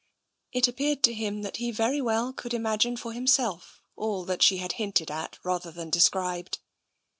It appeared to him that he very well could imagine for himself all that she had hinted at, rather than described.